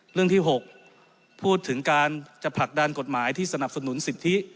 เรื่องที่๖พูดถึงการจะผลักดันกฎหมายที่สนับสนุนสิทธิ